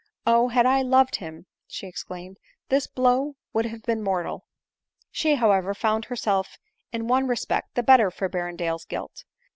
" Oh ! had I loved him," she exclaimed, " this blow would have been mortal !" ADELINE MOWBRAY. 283 She, however, found herself in one respect the better for Berrendale's guilt.